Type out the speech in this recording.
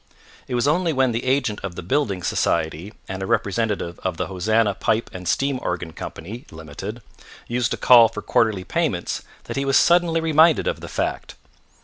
It was only when the agent of the building society and a representative of the Hosanna Pipe and Steam Organ Co. (Limited), used to call for quarterly payments that he was suddenly reminded of the fact.